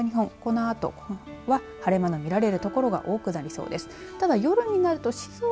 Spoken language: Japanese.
このあとは晴れ間の見られる所が多くなりそうです。